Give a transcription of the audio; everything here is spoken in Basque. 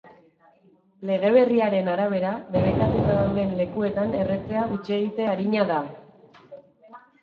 Lege berriaren arabera, debekatuta dauden lekuetan erretzea hutsegite arina da.